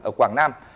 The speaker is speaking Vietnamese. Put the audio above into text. ở quảng nam